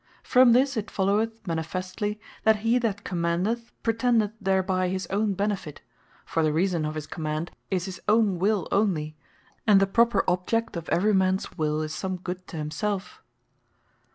From this it followeth manifestly, that he that Commandeth, pretendeth thereby his own Benefit: For the reason of his Command is his own Will onely, and the proper object of every mans Will, is some Good to himselfe.